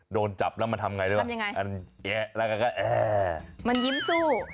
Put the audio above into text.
โดนจับแล้วมันทำยังไงด้วยมันยิ้มสู้